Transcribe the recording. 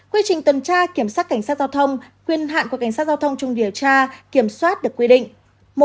quy trình tuần tra kiểm soát cảnh sát giao thông quyền hạn của cảnh sát giao thông trong điều tra kiểm soát được quy định